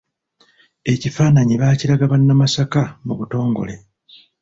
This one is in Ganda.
Ekifaananyi baakiraga bannamasaka mu butongole.